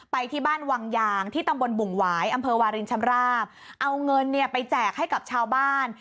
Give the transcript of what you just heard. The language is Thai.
ไปที่บ้านวังยางที่ตำบลบุ่งหวายอำเภอวารินชำราบเอาเงินเนี่ยไปแจกให้กับชาวบ้าน